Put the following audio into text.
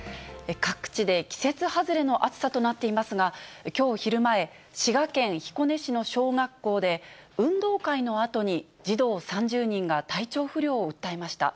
各地で季節外れの暑さとなっていますが、きょう昼前、滋賀県彦根市の小学校で、運動会のあとに児童３０人が体調不良を訴えました。